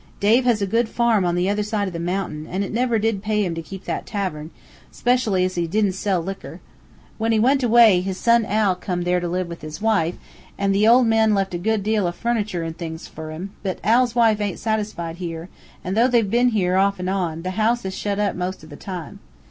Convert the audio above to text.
Dave has a good farm on the other side o' the mountain, an' it never did pay him to keep that tavern, 'specially as he didn't sell liquor. When he went away, his son Al come there to live with his wife, an' the old man left a good deal o' furniter and things fur him, but Al's wife aint satisfied here, and, though they've been here, off an' on, the house is shet up most o' the time.